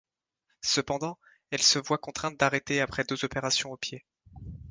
Cependant, elle se voit contrainte d'arrêter après deux opérations au pied.